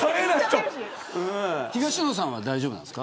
東野さんは大丈夫なんですか。